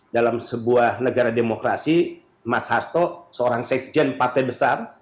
dalam sebuah negara demokrasi mas hasto seorang sekjen partai besar